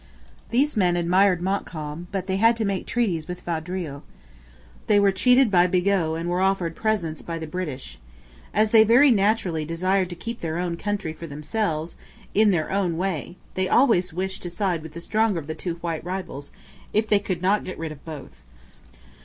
These men admired Montcalm; but they had to make treaties with Vaudreuil. They were cheated by Bigot and were offered presents by the British. As they very naturally desired to keep their own country for themselves in their own way they always wished to side with the stronger of the two white rivals, if they could not get rid of both.